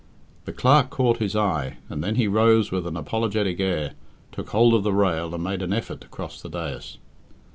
The clerk caught his eye, and then he rose with an apologetic air, took hold of the rail, and made an effort to cross the dais.